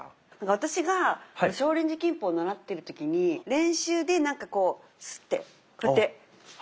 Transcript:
私が少林寺拳法を習ってる時に練習でなんかこうスッてこうやってこうやって。